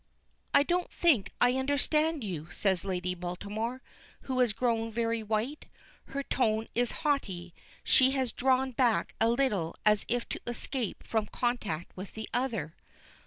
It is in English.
"I don't think I understand you," says Lady Baltimore, who has grown very white. Her tone is haughty; she has drawn back a little as if to escape from contact with the other.